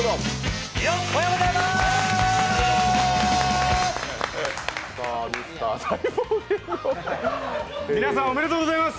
おはようございます！